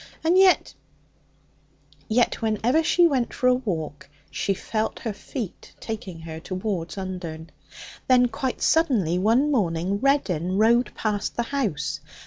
And yet ' Yet, whenever she went for a walk, she felt her feet taking her towards Undern. Then, quite suddenly, one morning Reddin rode past the house.